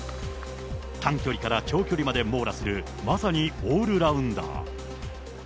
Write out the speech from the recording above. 短距離から長距離まで網羅するまさにオールラウンダー。